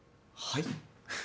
はい？